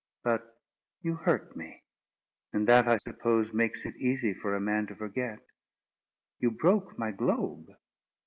But you hurt me, and that, I suppose, makes it easy for a man to forget. You broke my globe.